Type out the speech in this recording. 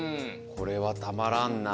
これはたまらんな